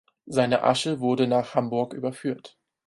Seine Asche wurde nach Hamburg überführt.